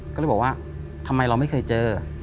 ก็เลยบอกว่าทำไมเราไม่เคยเจอ